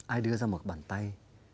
ai đưa ra một bản tay